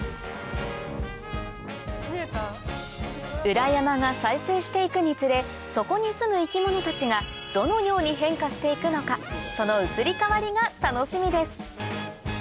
裏山が再生していくにつれそこにすむ生き物たちがどのように変化していくのかその移り変わりが楽しみです